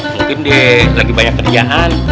mungkin dia lagi banyak kerjaan